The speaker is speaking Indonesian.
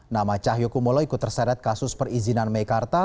nama cahyo kumolo ikut terseret kasus perizinan meikarta